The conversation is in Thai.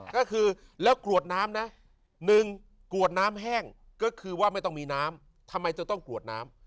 ก็คือแล้วกรวดน้ำนะ๑กรวดน้ำแห้งก็คือว่าไม่ต้องมีน้ำทำไมจะต้องกรวดน้ำ